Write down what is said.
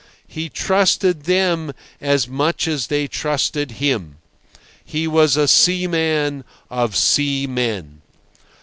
He trusted them as much as they trusted him. He was a seaman of seamen.